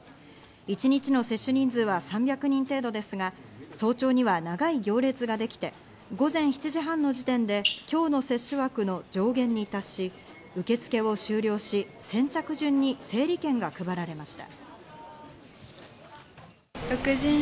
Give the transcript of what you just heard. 一日の接種人数は３００人程度ですが、早朝には長い行列ができて、午前７時半の時点で今日の接種枠の上限に達し、受け付けを終了し、先着順に整理券が配られました。